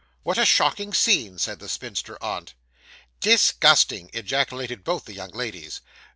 'What a shocking scene!' said the spinster aunt. 'Dis gusting!' ejaculated both the young ladies.